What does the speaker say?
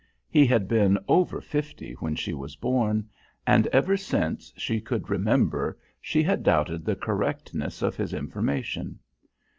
He had been over fifty when she was born, and ever since she could remember she had doubted the correctness of his information.